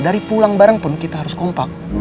dari pulang barang pun kita harus kompak